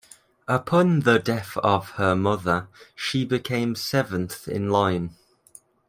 Upon the death of her mother she became seventh in line.